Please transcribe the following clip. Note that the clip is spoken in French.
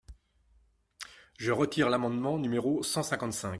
Je retire l’amendement numéro cent cinquante-cinq.